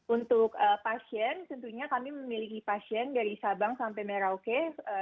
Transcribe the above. untuk pasien tentunya kami memiliki pasien dari sabang sampai merauke